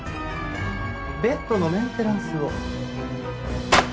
ベッドのメンテナンスを。